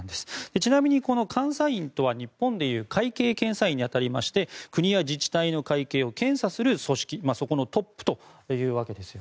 ちなみにこの監査院とは日本でいう会計検査院に当たりまして国や自治体の会計を検査する組織そこのトップというわけです。